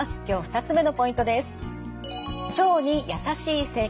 今日２つ目のポイントです。